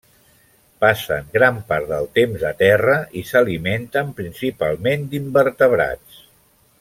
Passen gran part del temps a terra i s'alimenten principalment d'invertebrats.